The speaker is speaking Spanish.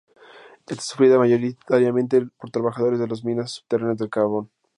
Es sufrida, mayoritariamente, por trabajadores de las minas subterráneas de carbón.